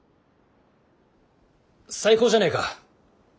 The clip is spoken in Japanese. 最高じゃねえか。